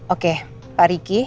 oke pak riki